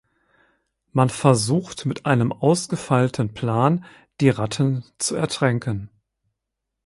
Man versucht mit einem ausgefeilten Plan die Ratten zu ertränken.